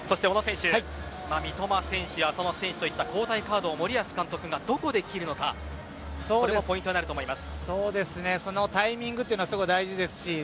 そして、小野選手、三笘選手浅野選手といった交代カードを森保監督がどこで切るのかポイントになると思います。